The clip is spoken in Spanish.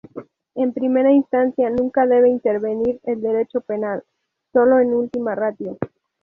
En primera instancia nunca debe intervenir el Derecho Penal, sólo en última ratio.